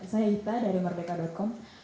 saya ita dari merdeka com